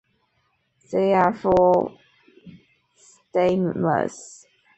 There are four (five) stamens.